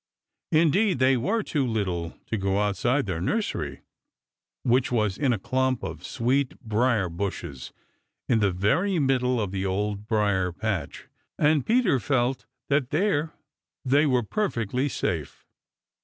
Indeed, they were too little to go outside their nursery, which was in a clump of sweet briar bushes in the very middle of the Old Briar patch, and Peter felt that there they were perfectly safe.